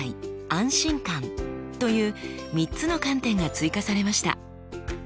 「安心感」という３つの観点が追加されました。